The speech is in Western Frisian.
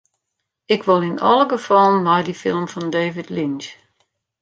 Ik wol yn alle gefallen nei dy film fan David Lynch.